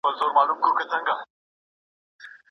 ما یاغي قلم ته د عقاب شهپر اخیستی دی